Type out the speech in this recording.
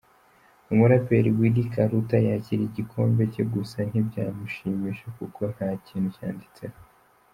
Umuraperi Willy Karuta yakiriye igikombe cye gusa ntibyamushimisha kuko nta kintu cyanditseho.